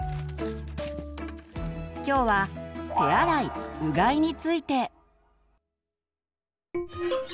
きょうは「手洗い・うがい」について。